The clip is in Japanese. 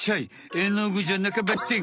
えのぐじゃなかばってん。